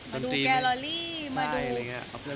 มาดูแกลลอรี่มาดู